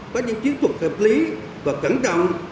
có những chiến thuật hợp lý và cẩn trọng